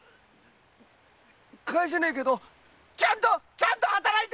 返せねえけどちゃんとちゃんと働いて返します‼